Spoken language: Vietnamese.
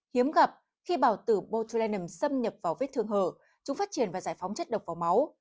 hiếm gặp khi bào tử botrelan xâm nhập vào vết thương hở chúng phát triển và giải phóng chất độc vào máu